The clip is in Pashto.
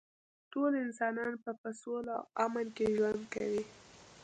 ټول انسانان به په سوله او امن کې ژوند کوي